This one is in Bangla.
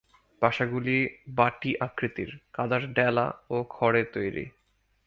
বাসাগুলি বাটি আকৃতির, কাদার ডেলা ও খড়ে তৈরি।